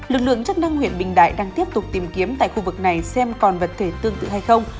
lực lượng chức năng huyện bình đại đang tiếp tục tìm kiếm tại khu vực này xem còn vật thể tương tự hay không